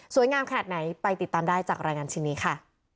งามขนาดไหนไปติดตามได้จากรายงานชิ้นนี้ค่ะ